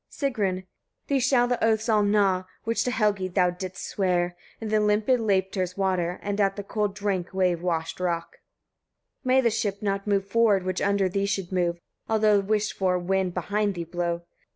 Sigrun. 29. Thee shall the oaths all gnaw, which to Helgi thou didst swear, at the limpid Leiptr's water, and at the cold dank wave washed rock. 30. May the ship not move forward, which under thee should move, although the wished for wind behind thee blow.